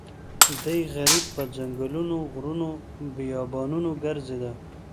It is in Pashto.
دی غریب په ځنګلونو غرونو بیابانونو ګرځېده.